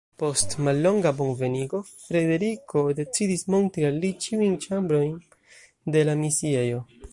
Post mallonga bonvenigo Frederiko decidis montri al li ĉiujn ĉambrojn de la misiejo.